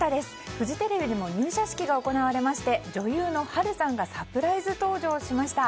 フジテレビでも入社式が行われまして女優の波瑠さんがサプライズ登場しました。